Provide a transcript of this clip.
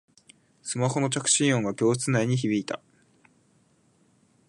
スマホの着信音が教室内に響いた